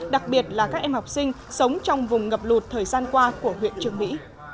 đặc biệt là các em học sinh sống trong vùng ngập lụt thời gian qua của huyện trường mỹ